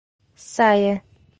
Saia!